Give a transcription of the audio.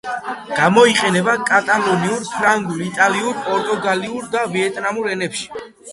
გამოიყენება კატალონიურ, ფრანგულ, იტალიურ, პორტუგალიურ და ვიეტნამურ ენებში.